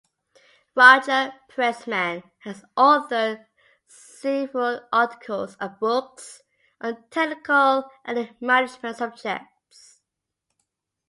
Roger Pressman has authored several articles and books on technical and management subjects.